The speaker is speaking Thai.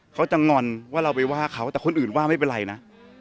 เขาจะงอนว่าเราไปว่าเขาแต่คนอื่นว่าไม่เป็นไรนะ